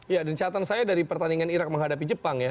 ya dan catatan saya dari pertandingan irak menghadapi jepang ya